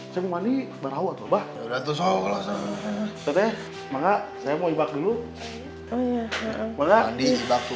jangan meninggalkan siapa siapa mati tete